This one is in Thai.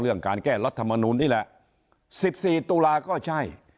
เรื่องการแก้รัฐมนุมนี่แหละสิบสี่ตุลาก็ใช่